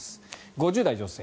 ５０代女性